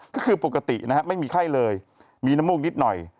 ก็คือปกตินะฮะไม่มีไข้เลยมีน้ำมูกนิดหน่อย